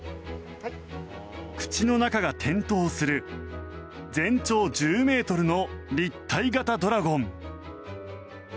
口の中が点灯する全長１０ｍの立体型ドラゴン。